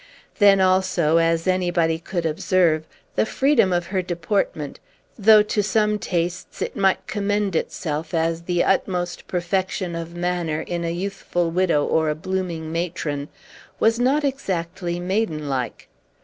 Then, also, as anybody could observe, the freedom of her deportment (though, to some tastes, it might commend itself as the utmost perfection of manner in a youthful widow or a blooming matron) was not exactly maiden like.